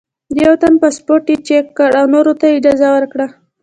د یوه تن پاسپورټ یې چیک کړ او نورو ته یې اجازه ورکړه.